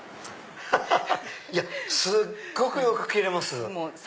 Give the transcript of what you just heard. すっごくよく切れます。